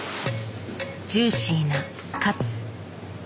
ジューシーなカツ。